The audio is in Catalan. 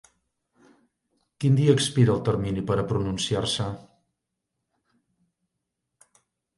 Quin dia expira el termini per a pronunciar-se?